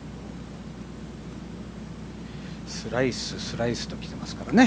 スライス、スライスときてますからね。